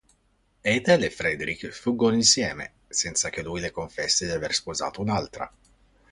Ethel e Frederick fuggono insieme, senza che lui le confessi di aver sposato un'altra.